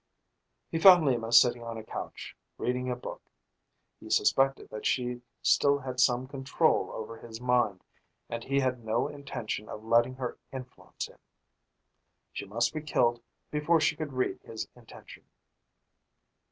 He found Lima sitting on a couch, reading a book. He suspected that she still had some control over his mind and he had no intention of letting her influence him. She must be killed before she could read his intention.